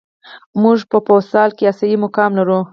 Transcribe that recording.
موږ په فوسال کې آسیايي مقام لرو.